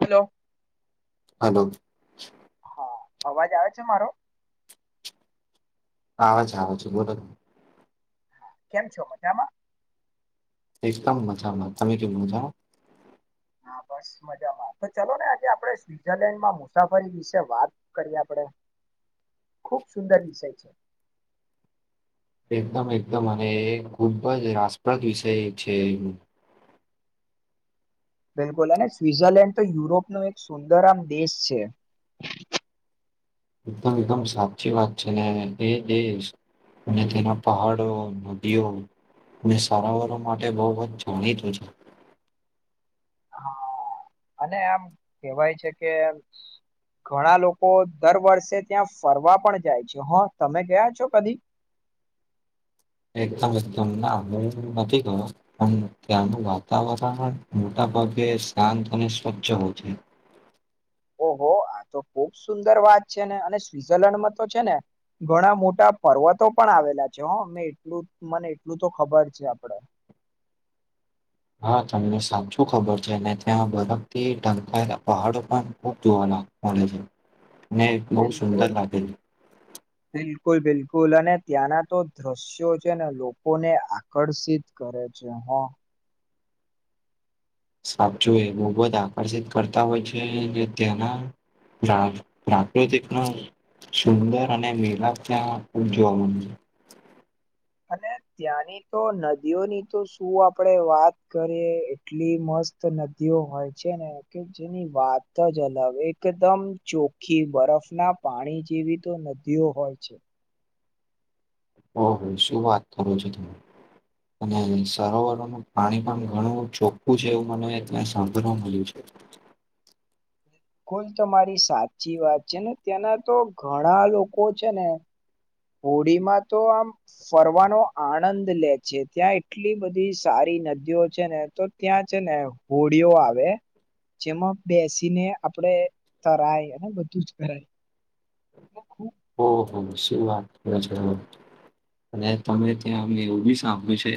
Hello જઃ હા અવાજ આવે છે મારો આવે છે આવે છે બોલો કેમ છો મજામાં એકદમ મજામાં તમે કેવ મજા [inaudible] બસ મજામાં તો ચાલો ને આજે આપણે સ્વિઝરલેન્ડમાં મુસાફરી વિશે વાત કરીએ આપડે ખુબ સુંદર વિષય છે એકદમ એકદમ અને એ ખુબ જ રાસપ્રદ વિષય છે એ બિલકુલ અને સ્વઝરલેન્ડ તો યુરોપ ન એક સુંદર આમ દેશ છે એકદમ એકદમ સાચી વાત છે ને એ અને તેના પહાડો નદીઓ મેં સારાવાર માટે બઉ જાણીતું છે [inaudible] હા અને આમ કેહેવાય છે કે ઘણા લોકો દર વર્ષે ત્યાં ફરવા પણ જાય છે હા તમે ગયા છો કદી [inaudible] એકદમ એકદમ ના હ નથી ગયો પણ ત્યાંનું વાતાવરણ મોટા ભે શાંત અને સ્વચ્છ હોવ છે ઓહો આ તો ખુબ સુંદર વાત છે ને અને સ્વઝરલેન્ડમાં તો છે ને ઘણા મોટા પર્વતો પણ આવેલા છે હો મે એટલું મને એટલું તો ખબર છે આપડે [inaudible] હા તમને સાચું ખબર છે અને ત્યાં બરફથી ઢંકાયેલા પહાડો પણ ખુબ જોવાનાા હોય છે અને બહુ સુંદર બિલકુલ લાગે છે બિલકુલ બિલકુલ કુલ અને ત્યાંના તો દ્રશ્યો છે ને લોકોને આકર્ષિત કરે છે હ સાચુ એ બહબ જ આકર્ષિત કરતા હોય છે ત્યાંના રા રાખડી જેટલો સુંદર અને મેીલાપ ત્યાં જોવા મળે છે [inaudible] અને ત્યાંની તો નદીઓની તો શું આપડે વાત કરીએ એટલી મસ્ત નદીઓ હોય છે ને કે જેની વાત જ અલગ એકદમ ચોખ્ખી બરફ બરફ ના પાણી જેવી તો નદીઓ હોય છે. હ હ શું વાત કરો છો તમે? અને સરોવરોનું પાણી પણ ઘણું ચોખ્ખું છે એવું મને એટલે સાંભળવા મળ્યું છે. [inaudible] કુલ તમારી સાચી વાત છે ને ત્યાંના તો ઘણા લોકો છે ને હોળીમાં તો આમ ફરવાનો આનંદ લે છે ત્યાં એટલી બધી સારી નદીઓ છે ને તો ત્યાં છે ને હોળીઓ આવે. જેમાં બેસીને આપણેે તરાય અને બધું જ કરય. ઓહ નિશ્ચી વાતજ અને તમે ત્યાં એવું બી સાંભળ્યું છે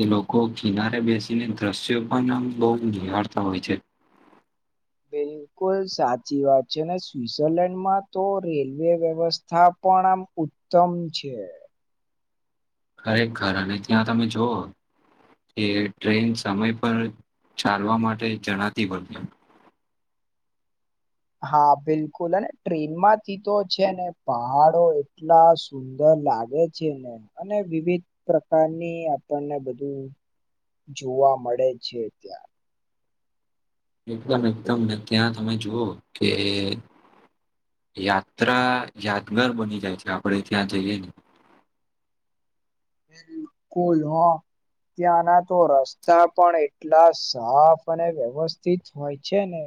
એ લોકો કિનારે બેસીને દ્રશ્યો પણ બહુ નિહાળતા હોય છે. [inaudible] બિલકુલ સાચી વાત છે અને સ્વઝરલેન્ડમાં તો રેલવે વ્યવસ્થા પણ આ ઉત્તમ છે. ખરેખ ઘર અને ત્યાં તમે જવઓ એ ટ્રેન સમય પર ચાલવા માટે જણાતી બદલે. [inaudible] હા બિલકુલ અને ટ્રેનમાંથી તો છે ને પહાડો એટલા સુંદર લાગે છે ને અને વિવિધ પ્રકારની આપણને બધું જોવા મળે છે ત્યાં. એકદમ એકદમ ને ત્યાં તમે જુઓ કે યાત્રા યાદગાર બની જાય છે આપણેે ત્યાં જઈએ ને. બિલકુલ. ત્યાંના તો રસ્તા પણ એટલા સાફ અને વ્યવસ્થિત હોય છે ને.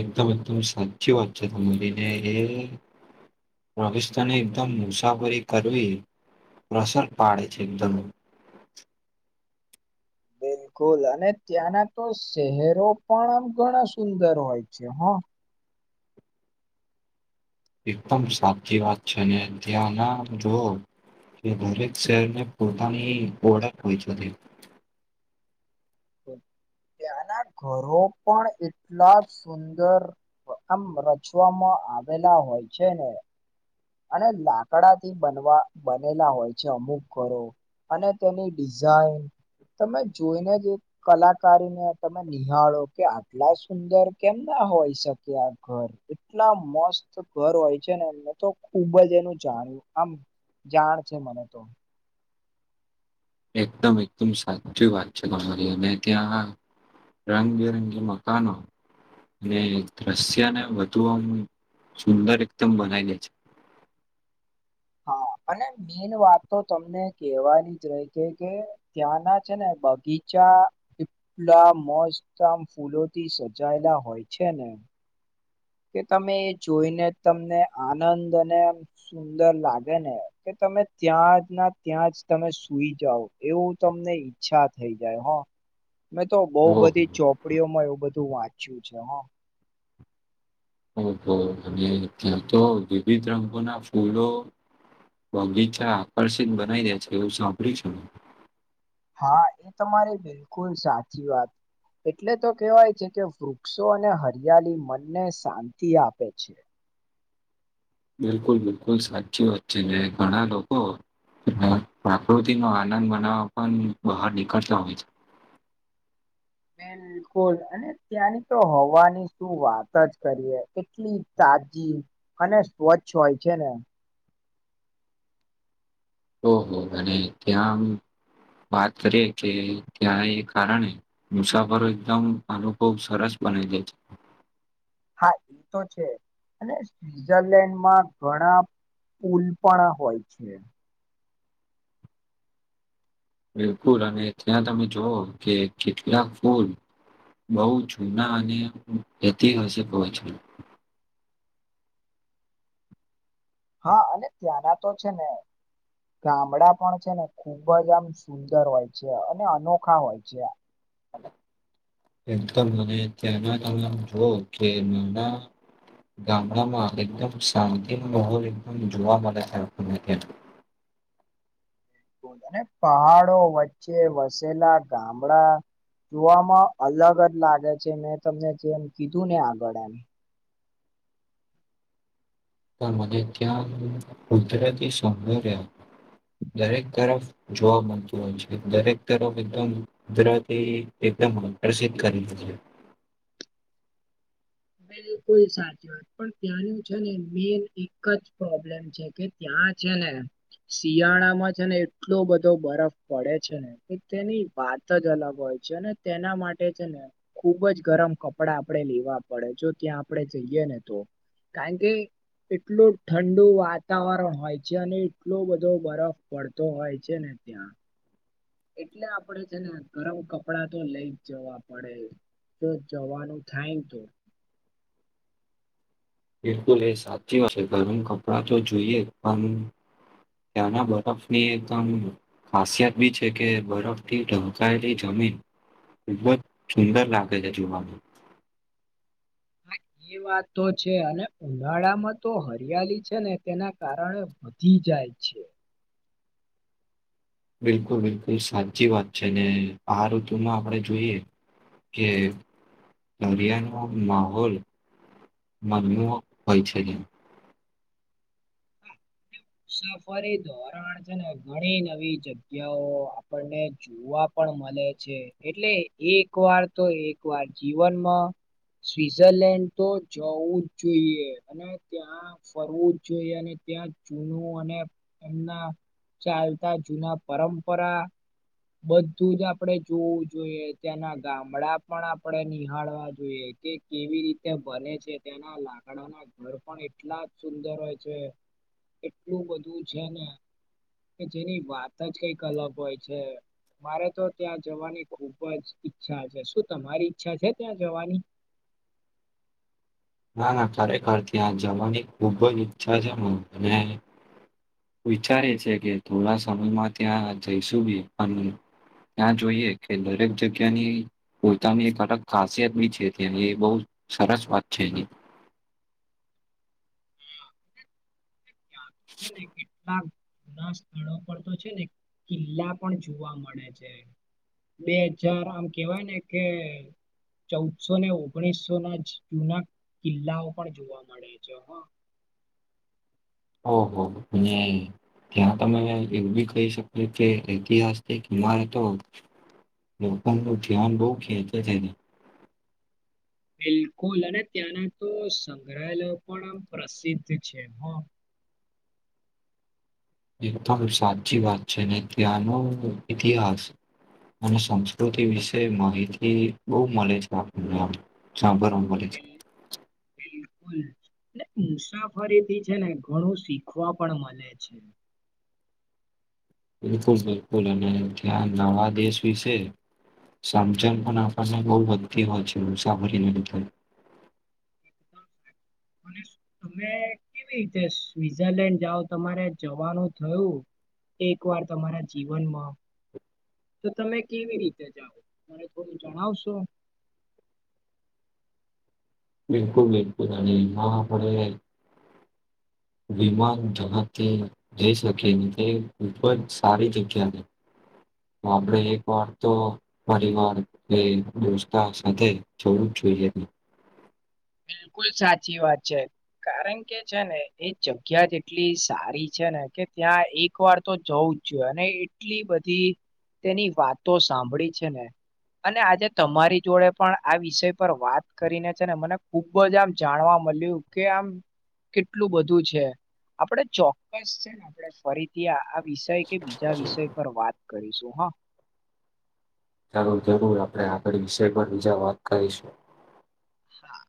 એક્દમદમ સાચ વાચ તમામલીનેરે પાકિસ્તાને એકદમ મુસાફરી કરવી પ્રસર પાડે છે એકદમ. બ [unintelligible] બલકુલ અને ત્યાંના તો શહેરો પણ આમ ઘણા સુંદર હોય છે હ. એકદમ સાચી વાત છે ને ધ્યા ના જોઓ કે દરેક શહેરને પોતાની પ્રોડક્ટ હોયતી ત્યાંના ઘરો પણ એટલા સુંદર મ રચવામાં આવેલા હોય છે ને. અને લાકડાથી બનવા બનેલા હોય છે અમુક ઘરો. અને તેની ડિઝાઇન તમે જોઈને જ એક કલાકારીને તમે નિહાળો કે આટલા સુંદર કેમ ના હોય શકે આ ઘર એટલા મસ્ત ઘર હોય છે ને એમને તો ઉબજ એનું જાણ્યું આમ જાણ છે મને તો. એકદમ એકદમ સાચી વાત છે તમારી અને ત્યાં રંગબેરંગી મકનો અને દ્રશ્યને વધુ આમ સુંદર એકદમ બનાવી દે છે. હા અને મેન વાત તો તમને કેવાની જ રહી કે કે ત્યાં ના છે ને બગીચા એટલા મોજતમ ફૂલોથી સજાયેલા હોય છે ને. કે તમે એ જોઈને તમને આનંદ અને સુંદર લાગે ને કે તમે ત્યાં જ ના ત્યાં જ તમે સુઈ જાવ એવું તમને ઈચ્છા થઈ જાય હ. મેં તો બહુ ઓહ બધી ચોપડીઓમાં એવું બધું વાંચ્યું છે હ. ઓહ અને ત્યાં તો વિવિધ રંગોના ફૂલો બગીચા આકર્ષિત બનાવી દે છે એવું સાંભળ્યું છે હ. હા એ તમારી બિલકુલ સાચી વાત. એટલે તો કહેવાય છે. કે વૃક્ષો અને હરિયાળી મનને શાંતિ આપે છે. બિલકુલ બિલકુલ સાચી વાત છે. ને ઘણા લોકો પા પ્રાકૃતિ નો આનંદ બનાવવા પણ બહાર નીકળતા હોય છે. [inaudible] બિલકુલ, અને ત્યાંની તો હવાની શું વાત જ કરીએ કેટલી તા તાજી અને સ્વચ્છ હોય છે ને ઓહો ભને ત્યાંમ વાત કરીએે કે ત્યાં એ કારણે, મુસાફરો એકદમ અનુભવ સરસ બનાલે છે. હા એ તો છે. અને સ્વીઝરલેન્ડ મા ઘણા ઉલપાણા હોય છે. બિલકુલ અને ત્યાં તમે જોવ કે કેટલાક ફૂલ બહુ જૂના અને ઐતિહાસિક હોય છે. હા અને ત્યાંના તો છે ને ગામડા પણ છે ને ખૂબ જ આમ સુંદર હોય છે. અને અનોખા હોય છે. એકદ અને તયાના [unintelligible] જોવો કે નાના ગામડામાં એકદમ શાંતિનો માહોલમ એકદમ જોવા મળે આપડને ત્યાં [unintelligible] પહાડો વચ્ચે વસેલા ગામડા જોવામાં અલગ જ લાગે છે. મેં તમને જેમ કીધું ને આગળ આમ. તો મને ત્યાં [unintelligible] કુદરતી સૌંદર્ય દરેક તરફ જોવા મળતું હોય છે. દરેક તરફ એકદમ કુદરતી એકદમ આકર્ષિત કરી દીધું [inaudible] બિલકુલ સાચી વાત. પણ ત્યાંનું છે ને, વીએ એકજ પ્રોબ્લેમ છે કે ત્યાં હા છે ને શિયાળામાં છે ને એટલો બધો બરફ પડે છે. ને તેની વાત જ અલગ હોય છેને તેના માટે છે ને. ખુબ જ ગરમ કપડા આપડે લેવા પડે જો ત્યાં આપડે જઈએ ને તો. કારણ કે એટલું ઠંડુ વાતાવરણ હોય છે. અને એટલો બધો બરફ પડતો હોય છે ને ત્યાં એટલે આપડે છે ને ગરમ કપડાં તો લઈ જ જવા પડે. જો જવાનું થાય તો બિલકુલ એ સાચી વાત છે. ગરમ કપડાં તો જોઈએજ. પણ ત્યાંના બરફ ની એકમ ખાસિયત બી છે. કે બરફ થી ઢંકાયેલી જમી ખૂબજ સુંદર લાગે છે. જોવાનું. [inaudible] એ વાત તો છે. અને ઉનાળા માં તો હરિયાલી છે ને, તેના કારણે વધી જાય જાય છે. બિલકુલ બિલકુલ સાચી વાત છે. અને આ ઋતુ માં આપણે જોઈએ કે દરિયાનો માહોલ મરમઓ હોય છે એ [inaudible] સફારી ધોરણ છે ને. ઘણી નવી જગ્યાઓ આપણને જોવા પે મળે છે. એટલે એક વાર તો એક વાર જીવનમાં સ્વિઝરલેન્ડ તો જવું જ જોઈએ. અને ત્યાં ફરવું જ જોઈએ. અને ત્યાં જૂનું અને એમના ચાલતા જૂના પરંપરા બધું જ આપણે જોવું જોઈએ. ત્યાંના ગામડા પણ આપણેે નિહાળવા જોઈએ. કે કેવી રીતે બને છે. તેના લાકડાના ઘર પણ એટલા જ સુંદર હોય છે. એટલું બધું છે ને કે જેની વાત જ કઈ અલગ હોય છે. મારે તો ત્યાં જવાની ખુબ જ ઈચ્છા છે શું તમારી ઈચ્છા છે ત્યાં જવાની? [inaudible] ના ના કાર્યક ત્યાં જવાની ખુબ જ ઈચ્છાજનો બને વિચારે છે કે થોડા સમયમાં ત્યાં જઈશું બી અને ત્યાં જોઈએ કે દરેક જગ્યાની પોતાની એક અલગ ખાસિયત બી છે એ બહ સરસ વાત છેઠી જ. ત્યાં છે ને કેટલાક [unintelligible] જૂના સ્થળો પર તો છે ને કિલ્લા પણ જોવા મળે છે. બે હજાર આમ કેવાય ને કે ચૌદસો ને ઓગણીસો ના જૂના કિલ્લાઓ પણ જોવા મળે છે હ. [inaudible] ઓહો બુને ત્યાં તમે એવું બી કહી શકો કે ઐતિહાસ હિમારતો લોકોલ ન ધ્યાન બહુ ખેંચ છેને. બિલકુલ અને ત્યાંના તો સંગ્રહાલય પણ પ્રસિદ્ધ છે હ. એકદમ સાચી વાત છે ને ત્યાંનો ઇતિહાસ અને સંસ્કૃતિ વિશે માહિતી બહુ મળે છે આપણને આ છા બરું મલે છે. બિલ- બિલકુલ મુસાફરીથી છે ને ઘણું શીખવા પણ મળે છે. બિલકુલ બિલકુલ અને ત્યાં નવા દેશ વિશે સમજણ પણ આપણને બહ વધતી હોય છે મુસાફરીને લીધે મ [unintelligible] તમે કેવી રીતે સ્વિઝરલેન્ડ જાઓ તમારે જવાનું થયું એક વાર તમારા જીવનમાં? તો તમે કેવી રીતે જાવ, તને થોડું જણાવશો? [inaudible] બિલકુલ બિલકુલ અને હા પણ વિમાન જ તે જઈ શકે અને તે ઉપર સારી જગ્યા છે. આપડે એક વાર તો પરિવાર કે દોસ્તા સાથે જોવું જોઈએ. બિલકુલ સાચી વાત છે, કારણ કે છે ને એ જગ્યા જેટલી સારી છે છે ને કે ત્યાં એક વાર તો જવું જ જોઈએ અને એટલી બધી તેની વાતો સાંભળી છે ને. અને આજે તમારી જોડે પણ આ વિષય પર વાત કરીને છે ને મને ખુબ જ આમ જાણવા મળ્યું કે આમ કેટલું બધું છે, આપડે ચોક્કસ છે ને આપણે ફરીથી વિષય કે બીજા વિષય પર વાત કરીશું હા. ચાલો જરૂર આપણે આગળ વિષય પર બીજા વાત કરીશું. હા.